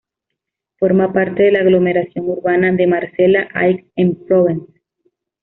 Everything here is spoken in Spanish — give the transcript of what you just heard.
Forma parte de la aglomeración urbana de Marsella-Aix-en-Provence.